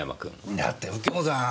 だって右京さん。